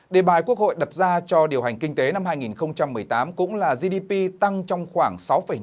đề bài quốc hội đặt ra cho điều hành kinh tế năm hai nghìn một mươi tám cũng là gdp tăng trong khoảng sáu năm